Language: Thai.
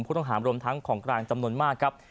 ผู้ต้องหารวมทั้งของกลางจำนวนมากครับ